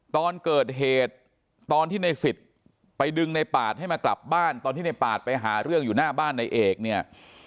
ตอนเกิดเหตุตอนที่ในสิทธิ์ไปดึงในปาดให้มากลับบ้านตอนที่ในปาดไปหาเรื่องอยู่หน้าบ้านในเอกเนี่ย